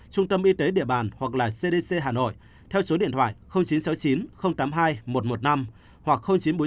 trung tâm y tế địa bàn hoặc là cdc hà nội theo số điện thoại chín trăm sáu mươi chín tám mươi hai một trăm một mươi năm hoặc chín trăm bốn mươi chín ba trăm chín mươi sáu một trăm một mươi năm